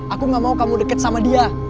aku gak mau kamu deket sama dia